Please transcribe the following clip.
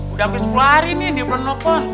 udah sampe sepuluh hari nih dia belum nopo